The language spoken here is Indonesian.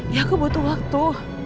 ya aku butuh waktu